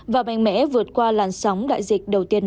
và mạnh mẽ vượt qua làn sóng đại dịch đầu tiên